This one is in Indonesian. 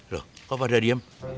loh kok pada diem